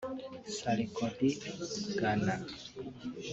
Sarkodie (Ghana)